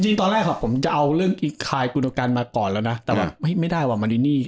จริงตอนแรกผมเอาเรื่องอีกคลายคุณกรรมมาก่อนจะแบบไม่ได้หว่ามารินี้